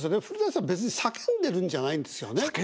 古さん別に叫んでるんじゃないんですよね。